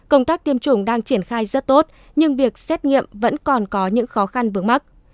công tác tiêm chủng đang triển khai rất tốt nhưng việc xét nghiệm vẫn còn có những khó khăn vướng mắt